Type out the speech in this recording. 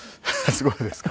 すごいですか？